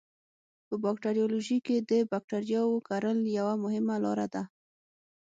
په باکتریالوژي کې د بکټریاوو کرل یوه مهمه لاره ده.